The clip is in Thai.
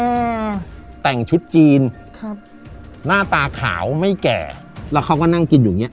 อืมแต่งชุดจีนครับหน้าตาขาวไม่แก่แล้วเขาก็นั่งกินอยู่อย่างเงี้